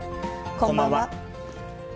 こんばんは。